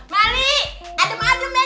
mari adem adem ya di kamar